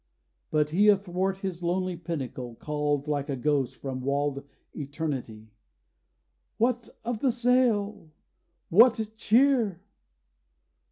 But he, athwart his lonely pinnacle Called like a ghost from walled eternity: 'What of the sail? What cheer?